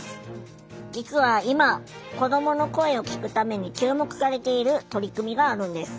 実は今子どもの声を聴くために注目されている取り組みがあるんです。